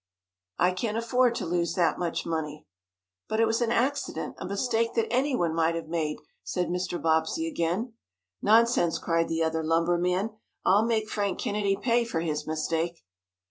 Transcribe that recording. I can't afford to lose that much money." "But it was an accident; a mistake that anyone might have made," said Mr. Bobbsey again. "Nonsense!" cried the other lumber man. "I'll make Frank Kennedy pay for his mistake!"